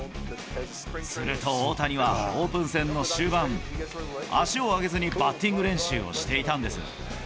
すると大谷はオープン戦の終盤、足を上げずにバッティング練習をしていたんです。